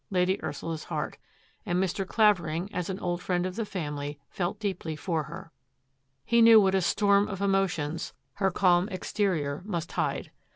Lady Ursula's heart, and Mr. Clavering, as an old friend of the family, felt deeply for her. He knew what a storm of emotions her calm ex 114 THAT AFFAIR AT THE MANOR terior must hide.